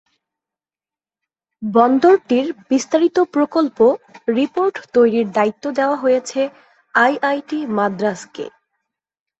বন্দরটির বিস্তারিত প্রকল্প রিপোর্ট তৈরির দায়িত্ব দেওয়া হয়েছে আইআইটি মাদ্রাজ’কে।